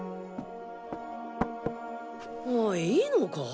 おいいいのか？